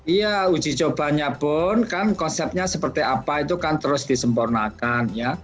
iya uji cobanya pun kan konsepnya seperti apa itu kan terus disempurnakan